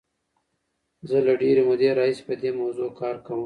زه له ډېرې مودې راهیسې په دې موضوع کار کوم.